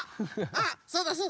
あそうだそうだ。